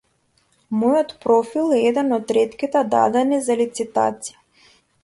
Мојот профил е еден од ретките дадени за лицитација.